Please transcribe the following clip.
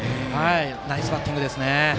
ナイスバッティングですね。